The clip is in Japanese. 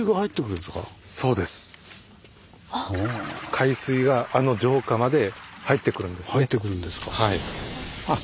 海水があの城下まで入ってくるんですね。